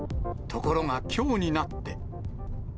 ところがきょうになって。